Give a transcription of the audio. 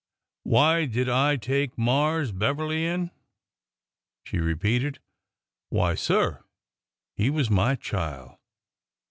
" Why did I take Marse Beverly in ?" she repeated. Why, sir, he was my chile